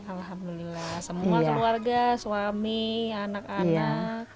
alhamdulillah semua keluarga suami anak anak